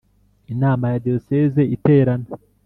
Inama Ya Diyosezi Iterana